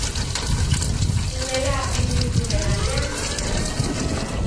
Tunela bi muturren artean sortzen da.